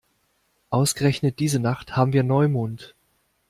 Ausgerechnet diese Nacht haben wir Neumond.